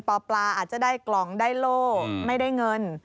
ปลาอาจจะได้กล่องได้โล่ไม่ได้เงิน